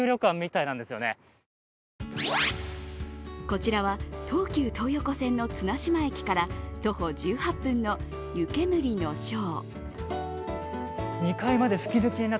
こちらは東急東横線の綱島駅から徒歩１８分の湯けむりの庄。